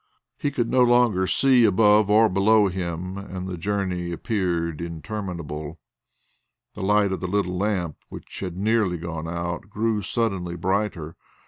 He could no longer see above or below him and the journey appeared interminable. The light of the little lamp, which had nearly gone out, grew suddenly brighter.